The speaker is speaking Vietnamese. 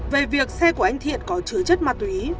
về việc xe của anh thiện có chứa chất ma túy